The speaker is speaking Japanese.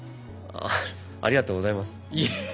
ありがとうございます。